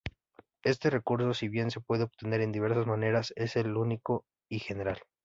Este recurso, si bien se pude obtener de diversas maneras, es único y general.